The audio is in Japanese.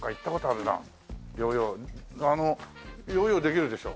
あのヨーヨーできるでしょ？